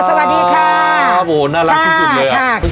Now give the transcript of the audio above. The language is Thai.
สวัสดีครับโอ้โหน่ารักที่สุดเลยอ่ะ